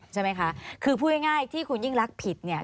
ใช่ไหมคะคือพูดง่ายที่คุณยิ่งรักผิดเนี่ย